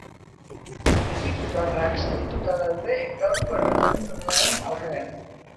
Egiptoarrak zatituta daude gaurko erreferendumaren aurrean.